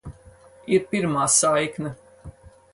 Ir pirmā saikne.